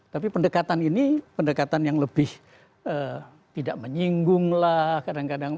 tapi pendekatan ini pendekatan yang lebih tidak menyinggung lah kadang kadang